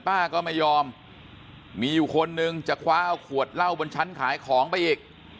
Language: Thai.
ป้าก็ไม่ยอมมีอยู่คนนึงจะคว้าเอาขวดเหล้าบนชั้นขายของไปอีก